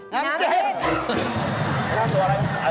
น้ำจิ้ม